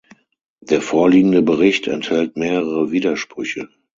Der vorliegende Bericht enthält mehrere Widersprüche.